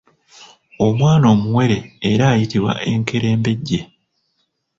Omwana omuwere era ayitibwa enkerembejje.